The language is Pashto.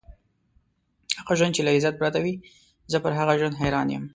هغه ژوند چې له عزت پرته وي، زه پر هغه ژوند حیران یم.